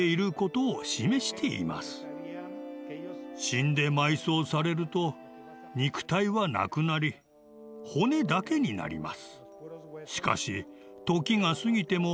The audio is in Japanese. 死んで埋葬されると肉体はなくなり骨だけになります。